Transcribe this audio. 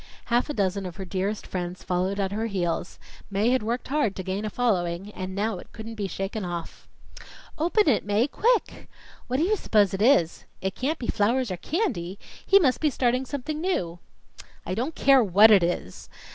Half a dozen of her dearest friends followed at her heels; Mae had worked hard to gain a following, and now it couldn't be shaken off. "Open it, Mae quick!" "What do you s'pose it is?" "It can't be flowers or candy. He must be starting something new." "I don't care what it is!"